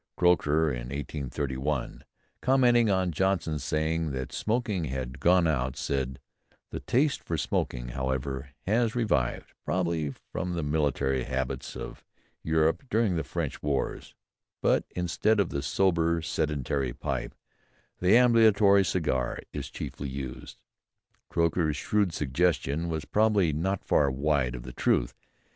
Croker, in 1831, commenting on Johnson's saying that smoking had gone out, said: "The taste for smoking, however, has revived, probably from the military habits of Europe during the French wars; but instead of the sober sedentary pipe, the ambulatory cigar is chiefly used." Croker's shrewd suggestion was probably not far wide of the truth.